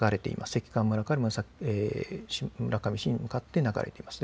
関川村から村上市に向かって流れています。